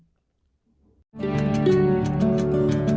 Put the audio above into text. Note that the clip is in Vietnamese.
hãy đăng ký kênh để ủng hộ kênh của mình nhé